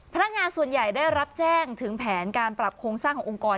พนักงานส่วนใหญ่ได้รับแจ้งถึงแผนการปรับโครงสร้างขององค์กร